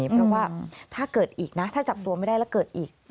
เพราะว่าถ้าเกิดอีกนะถ้าจับตัวไม่ได้แล้วเกิดอีก